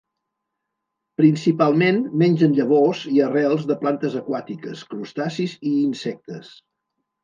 Principalment mengen llavors i arrels de plantes aquàtiques, crustacis i insectes.